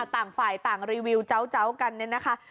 ต่างฝ่ายต่างรีวิวเจ้ากันเนี่ยนะคะ